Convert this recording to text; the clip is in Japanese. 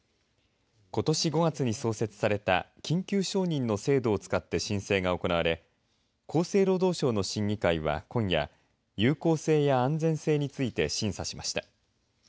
ことし５月に創設された緊急承認の制度を使って申請が行われ厚生労働省の審議会は今夜有効性や安全性について審査しました。